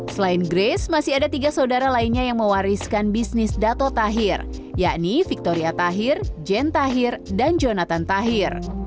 selain grace masih ada tiga saudara lainnya yang mewariskan bisnis dato tahir yakni victoria tahir jane tahir dan jonathan tahir